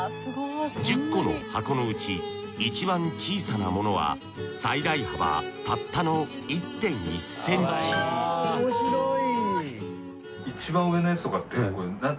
１０個の箱のうちいちばん小さなものは最大幅たったの１．１センチおもしろい。